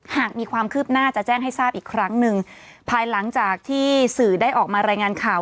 หากมีความคืบหน้าจะแจ้งให้ทราบอีกครั้งหนึ่งภายหลังจากที่สื่อได้ออกมารายงานข่าว